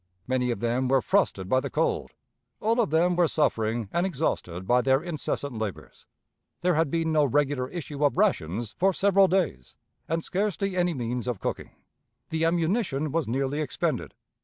Many of them were frosted by the cold, all of them were suffering and exhausted by their incessant labors. There had been no regular issue of rations for several days, and scarcely any means of cooking. The ammunition was nearly expended.